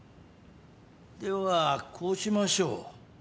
ではこうしましょう。